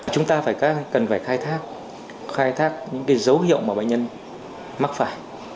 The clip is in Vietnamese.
chúng ta cần phải khai thác những dấu hiệu mà bệnh nhân mắc phải